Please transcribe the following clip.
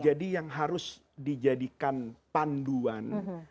jadi yang harus dijadikan panduan